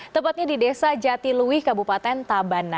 tempatnya di desa jatilui kabupaten tabana